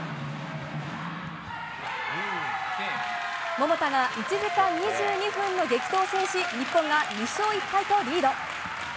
桃田が１時間２２分の激闘を制し日本が２勝１敗とリード。